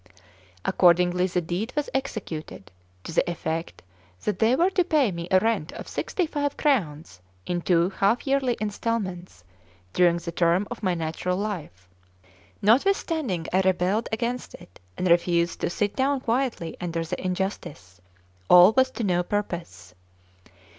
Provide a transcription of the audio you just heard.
Accordingly the deed was executed, to the effect that they were to pay me a rent of sixty five crowns, in two half yearly installments, during the term of my natural life. Notwithstanding I rebelled against it, and refused to sit down quietly under the injustice, all was to no purpose.